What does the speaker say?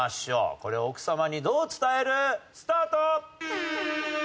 これ奥さまにどう伝える？スタート！